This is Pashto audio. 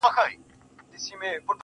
د وجود غړي د هېواد په هديره كي پراته.